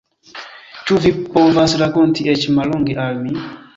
Ĉu vi povas rakonti eĉ mallonge al mi?